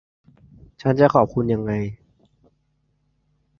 ฉันจะขอบคุณอย่างไร